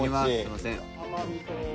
すいません。